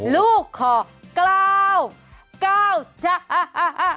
ลูกขอกล่าวเก้าจาน